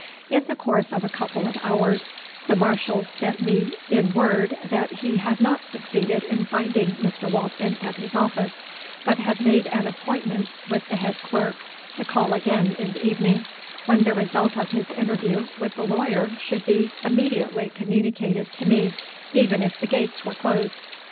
"In the course of a couple of hours the Marshal sent me in word that he had not succeeded in finding Mr. Walkden at his office, but had made an appointment with the head clerk to call again in the evening, when the result of his interview with the lawyer should be immediately communicated to me, even if the gates were closed.